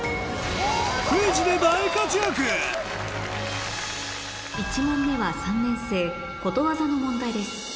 クイズで１問目は３年生ことわざの問題です